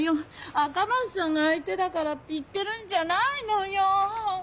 赤松さんが相手だからって言ってるんじゃないのよ！